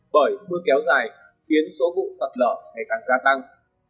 bởi mưa kéo dài khiến số vụ sạt lở ngày càng gia tăng